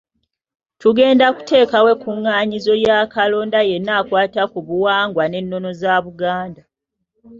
Tugenda kuteekawo ekkuŋŋaanyizo lya kalonda yenna akwata ku buwangwa n’ennono za Buganda.